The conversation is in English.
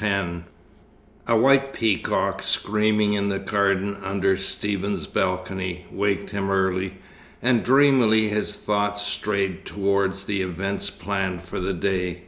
X A white peacock, screaming in the garden under Stephen's balcony, waked him early, and dreamily his thoughts strayed towards the events planned for the day.